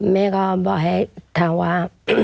แม่ก็บอกให้ทางว่า